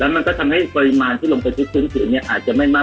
และมันก็ทำให้ปริมาณที่ลงไปทิ้งคืนนี้อาจจะไม่มาก